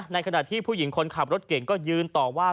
ขณะที่ผู้หญิงคนขับรถเก่งก็ยืนต่อว่า